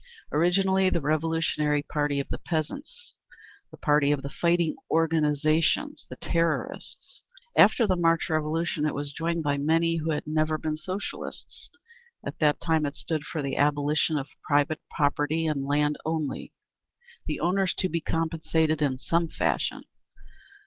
Originally the revolutionary party of the peasants, the party of the Fighting Organisations—the Terrorists. After the March Revolution, it was joined by many who had never been Socialists. At that time it stood for the abolition of private property in land only, the owners to be compensated in some fashion.